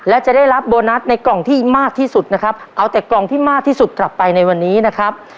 และจะได้รับโบนัสในกล่องที่มากที่สุดนะครับเอาแต่กล่องที่มากที่สุดกลับไปในวันนี้นะครับ